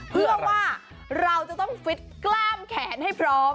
เพื่อว่าเราจะต้องฟิตกล้ามแขนให้พร้อม